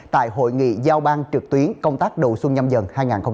tại hội nghị giao ban trực tuyến công tác độ xuân nhâm dần hai nghìn hai mươi hai